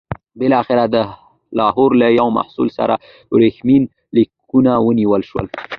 بالاخره د لاهور له یوه محصل سره ورېښمین لیکونه ونیول شول.